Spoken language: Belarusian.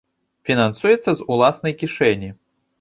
Фінансуецца з уласнай кішэні.